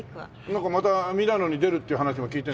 なんかまたミラノに出るっていう話も聞いて。